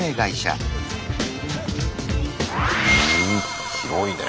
うん広いね。